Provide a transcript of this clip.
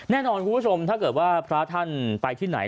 แน่นอนคุณผู้ชมถ้าเกิดว่าพระท่านไปที่ไหน